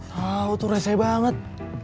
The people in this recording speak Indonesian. tau tuh rese banget